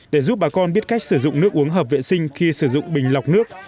để giúp bà con biết cách sử dụng nước uống hợp vệ sinh khi sử dụng bình lọc nước